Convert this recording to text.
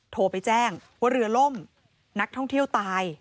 โทรไปแจ้งว่าเรือล่มนักท่องเที่ยวตาย